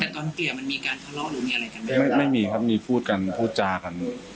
แต่ตอนเปลี่ยนมันมีการทะเลาะหรือมีอะไรกันไหมไม่มีครับมีพูดกันพูดจากัน